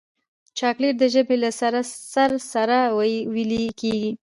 چاکلېټ د ژبې له سر سره ویلې کېږي.